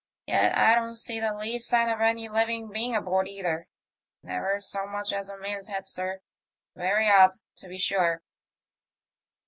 Yet I don't see the least sign of any living being aboard either. Never so much as a man's head, sir. Very odd, to be sure."